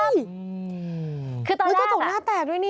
นะครับ